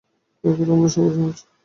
তার কথা আমরা সবাই শুনেছি!